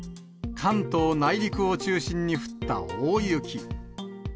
関東内陸を中心に降った大雪。